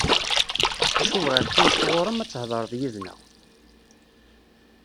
Acu bɣiɣ kan sɣur-m, ad thedreḍ yid-neɣ.